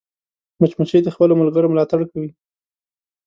مچمچۍ د خپلو ملګرو ملاتړ کوي